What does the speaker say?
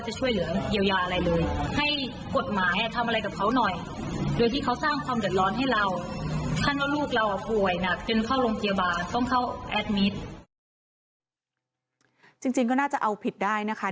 ฉันว่าลูกเราโผล่ไหวหนัก